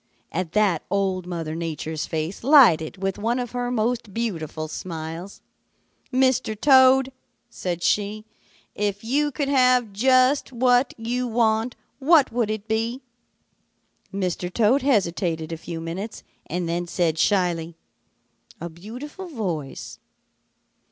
"At that Old Mother Nature's face lighted with one of her most beautiful smiles. 'Mr. Toad,' said she, 'if you could have just what you want, what would it be?' "Mr. Toad hesitated a few minutes and then said shyly, 'A beautiful voice.'